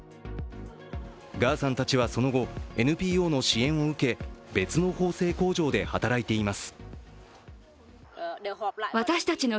ガーさんたちはその後、ＮＰＯの支援を受け、別の縫製工場で働いています。